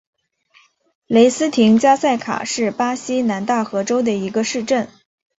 雷斯廷加塞卡是巴西南大河州的一个市镇。